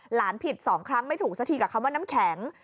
ผิด๒ครั้งไม่ถูกสักทีกับคำว่าน้ำแข็ง